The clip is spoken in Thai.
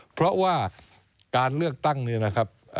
เพราะว่าการเลือกตั้งเนี่ยนะครับ